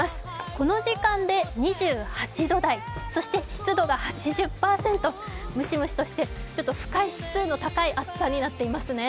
この時間で２８度台、そして湿度が８０％、ムシムシとして不快指数の高い朝となっていますね。